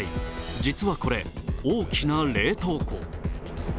実はこれ、大きな冷凍庫。